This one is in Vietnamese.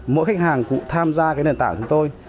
mỗi khách hàng cũ tham gia cái nền tảng của chúng tôi